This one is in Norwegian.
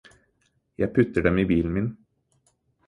Jeg putter dem i bilen min